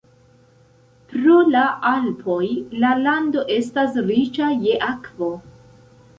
Pro la Alpoj la lando estas riĉa je akvo.